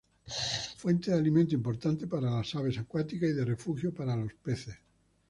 Fuente de alimento importante para las aves acuáticas y de refugio para los peces.